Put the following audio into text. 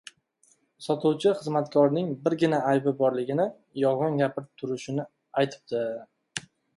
Sotuvchi xizmatkorning birgina aybi borligini – yolgʻon gapirib turishini aytibdi.